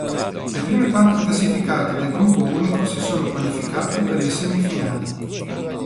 Le prime quattro classificate del gruppo unico si sono qualificate per le semifinali.